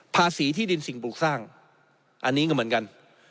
ที่ดินสิ่งปลูกสร้างอันนี้ก็เหมือนกัน